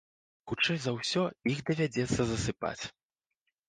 Хутчэй за ўсё, іх давядзецца засыпаць.